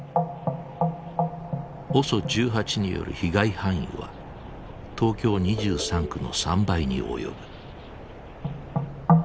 ＯＳＯ１８による被害範囲は東京２３区の３倍に及ぶ。